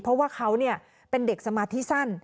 เพราะว่าเขาเป็นเด็กสมาธิสั้น